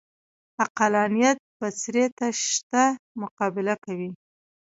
عقلانیت بڅري شته مقابله کوي